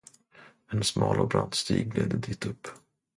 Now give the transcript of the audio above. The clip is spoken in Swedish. En smal och brant stig ledde ditupp.